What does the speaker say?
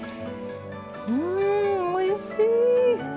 うんおいしい！